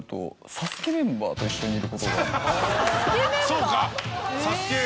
そうかＳＡＳＵＫＥ